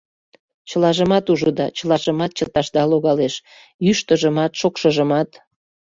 Чылажымат ужыда, чылажымат чыташда логалеш — йӱштыжымат, шокшыжымат.